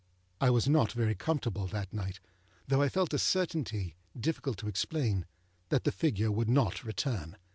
I was not very comfortable that night, though I felt a certainty, difficult to explain, that the figure would not return.